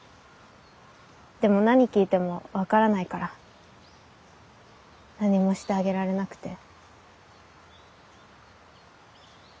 でも何聞いても分からないから何もしてあげられなくて。